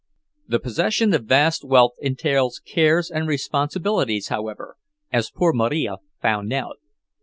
The possession of vast wealth entails cares and responsibilities, however, as poor Marija found out.